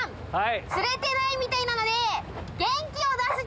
釣れてないみたいなので。